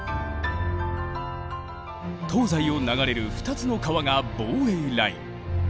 東西を流れる２つの川が防衛ライン。